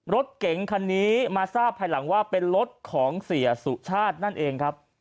รถเก๋งคันนี้มาทราบภายหลังว่าเป็นรถของเสียสุชาตินั่นเองครับ